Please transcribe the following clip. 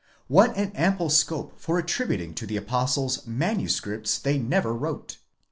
What an ample scope for attributing to the Apostles manuscripts they never wrote!